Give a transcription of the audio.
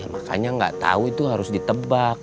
makanya gak tau itu harus ditebak